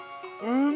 うん！